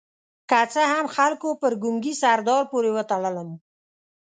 که څه هم خلکو پر ګونګي سردار پورې وتړلم.